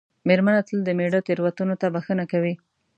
مېرمنه تل د مېړه تېروتنو ته بښنه کوي.